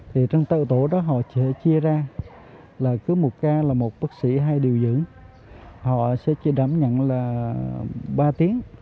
trong tổ đó họ sẽ chia ra là cứ một ca là một bác sĩ hai điều dưỡng họ sẽ đảm nhận ba tiếng